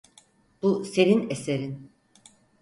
Bu senin eserin…